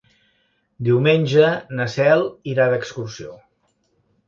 Diumenge na Cel irà d'excursió.